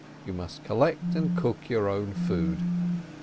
You must collect and cook your own food.